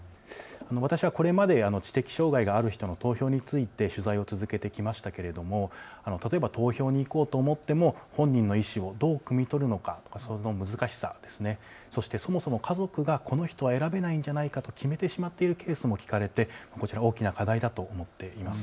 私はこれまで知的障害のある人の投票について取材を続けてきましたけど例えば投票に行こうと思っても本人の意思をどうくみ取るのか、その難しさ、そしてそもそも家族がこの人は選べないんじゃないかと決めてしまっているケースも聞かれて大きな課題だと思っています。